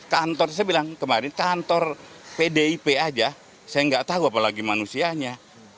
kantor saya bilang kemarin kantor pdip aja saya nggak tahu apalagi manusianya